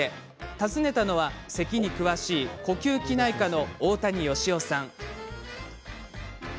訪ねたのは、せきに詳しい呼吸器内科医の大谷義夫さん。